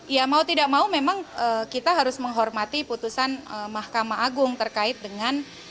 ya mau tidak mau memang kita harus menghormati putusan mahkamah agung terkait dengan